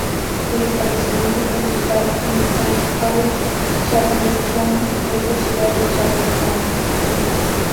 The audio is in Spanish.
El establecimiento principal en Saint Paul Charlestown es la ciudad de Charlestown.